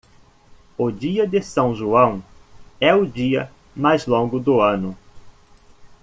O Dia de São João é o dia mais longo do ano.